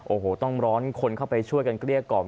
โอ้โหต้องร้อนคนเข้าไปช่วยกันเกลี้ยกล่อม